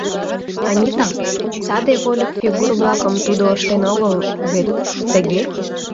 Анита, саде вольык фигур-влакым тудо ыштен огыл вет, тыге?